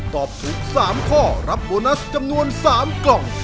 ตอบถูก๓ข้อรับโบนัสจำนวน๓กล่อง